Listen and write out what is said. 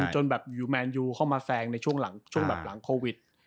จนแมนยูเธอมาแซงในช่วงหลังโควิด